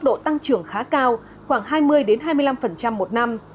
tốc độ tăng trưởng khá cao khoảng hai mươi hai mươi năm một năm